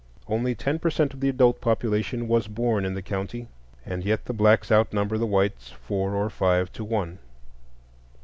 Only ten per cent of the adult population was born in the county, and yet the blacks outnumber the whites four or five to one.